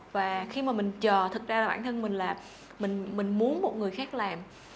và khi mà mình chờ thật ra là bản thân mình là mình muốn một người khác làm